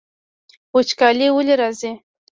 وچکالي ولې راځي؟